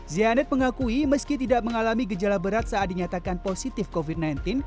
zianet mengakui meski tidak mengalami gejala berat saat dinyatakan positif covid sembilan belas